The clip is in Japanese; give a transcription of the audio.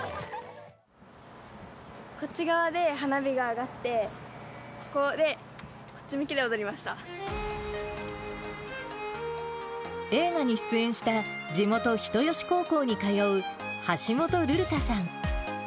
こっち側で花火が上がって、映画に出演した地元、人吉高校に通う橋本るるかさん。